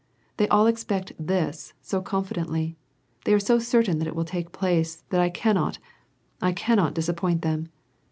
They all expect this so confidently ; they are so certain that it will take place, that I cannot, I cannot disappoint them.